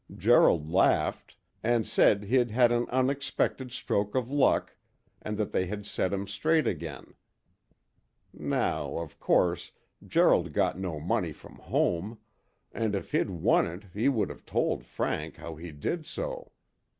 Gerald laughed, and said he'd had an unexpected stroke of luck that had set him straight again. Now, of course, Gerald got no money from home, and if he'd won it he would have told Frank how he did so.